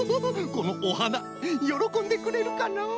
このおはなよろこんでくれるかのう？